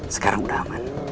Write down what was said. sekarang udah aman